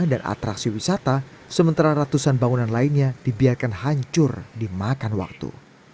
dan atraksi wisata sementara ratusan bangunan lainnya dibiarkan hancur di makan waktu